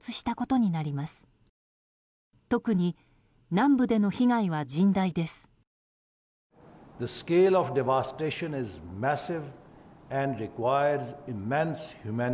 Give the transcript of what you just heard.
とくに南部での被害は甚大です。